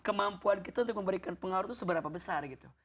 kemampuan kita untuk memberikan pengaruh itu seberapa besar gitu